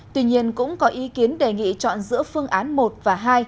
tuy nhiên cũng có ý kiến đề nghị chọn giữa phương án một và hai